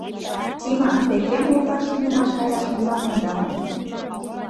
— Тима, те кем ургаш тунемаш каяш мутланенда мо?